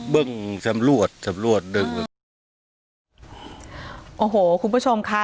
เบิ้งสำรวจสำรวจดึงโอ้โหคุณผู้ชมค่ะ